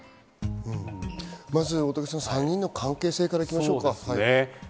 大竹さん、３人の関係性からいきましょうか。